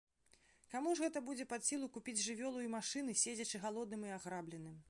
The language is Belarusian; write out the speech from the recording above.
Каму ж гэта будзе пад сілу купіць жывёлу і машыны, седзячы галодным і аграбленым?